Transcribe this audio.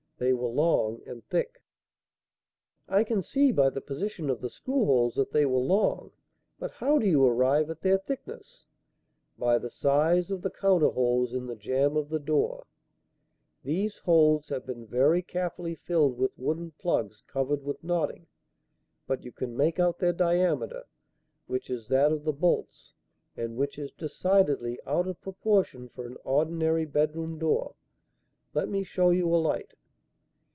They were long and thick." "I can see, by the position of the screw holes, that they were long; but how do you arrive at their thickness?" "By the size of the counter holes in the jamb of the door. These holes have been very carefully filled with wooden plugs covered with knotting; but you can make out their diameter, which is that of the bolts, and which is decidedly out of proportion for an ordinary bedroom door. Let me show you a light."